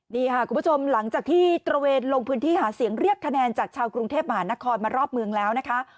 นี่ค่ะคุณผู้ชมหลังจากที่ตระเวนลงพื้นที่หาเสียงเรียกคะแนนจากชาวกรุงเทพมหานครมารอบเมืองแล้วนะคะ